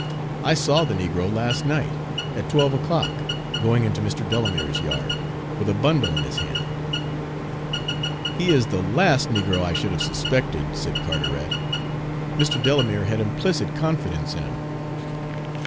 "I saw the negro last night, at twelve o'clock, going into Mr. Delamere's yard, with a bundle in his hand." "He is the last negro I should have suspected," said Carteret. "Mr. Delamere had implicit confidence in him."